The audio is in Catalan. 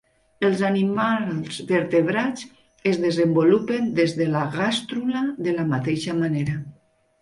Els animals vertebrats es desenvolupen des de la gàstrula de la mateixa manera.